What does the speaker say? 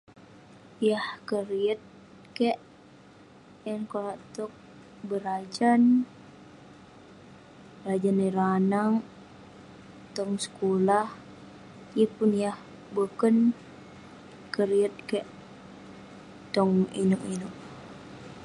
Yah keriek kek yan neh konak tok berajan, berajan ireh anag tong sekulah yeng pun yah boken yah keriek kek tong Ineuk-ineuk